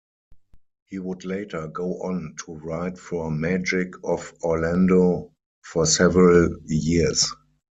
He would later go on to write for Magic of Orlando for several years.